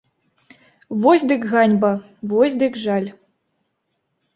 Вось дык ганьба, вось дык жаль!